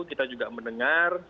kita juga mendengar